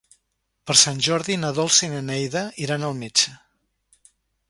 Per Sant Jordi na Dolça i na Neida iran al metge.